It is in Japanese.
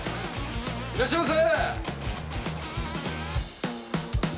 いらっしゃいませ！